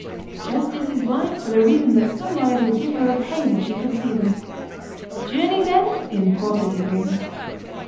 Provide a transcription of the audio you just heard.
Justice is blind for the reason that some lawyers would give her a pain if she could see them. Journeys end in porter tippings.